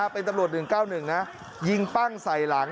เป็นตำรวจ๑๙๑นะยิงปั้งใส่หลัง